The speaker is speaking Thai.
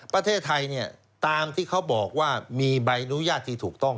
ประเทศไทยเนี่ยตามที่เขาบอกว่ามีใบอนุญาตที่ถูกต้อง